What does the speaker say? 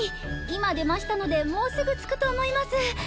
今出ましたのでもうすぐ着くと思います。